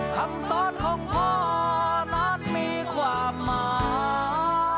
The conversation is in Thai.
คำสอนของพ่อนั้นมีความหมาย